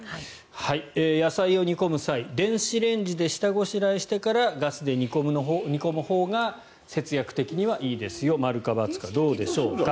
野菜を煮込む際電子レンジで下ごしらえしてからガスで煮込むほうが節約的にはいいですよ○か×かどうでしょうか。